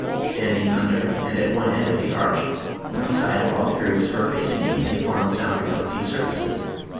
Standing un der and at one end of the arch, one side of all the grooves were facing me and formed sound reflecting surfaces.